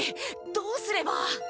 どうすれば。